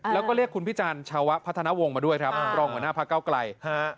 แล้วก็เรียกคุณพิจารณชาวะพัฒนาวงศ์มาด้วยครับรองหัวหน้าพักเก้าไกลฮะ